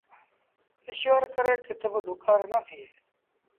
ايٚشور ڪري ڪٿ با ڏُڪآر نا ٿئي۔